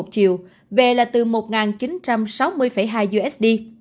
một chiều về là từ một chín trăm sáu mươi hai usd